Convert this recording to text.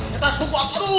kita sungguh akuruh